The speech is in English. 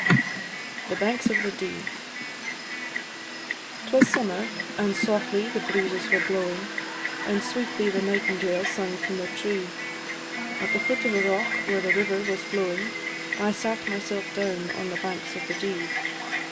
THE BANKS OF THE DEE. 'Twas summer, and softly the breezes were blowing, And sweetly the nightingale sung from the tree, At the foot of a rock where the river was flowing, I sat myself down on the banks of the Dee.